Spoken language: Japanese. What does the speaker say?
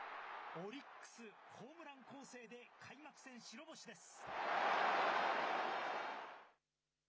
オリックス、ホームラン攻勢で開幕戦白星です。